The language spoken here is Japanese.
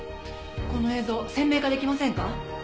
この映像鮮明化できませんか？